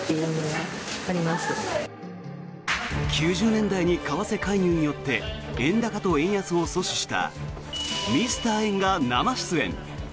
９０年台に為替介入によって円高と円安を阻止したミスター円が生出演。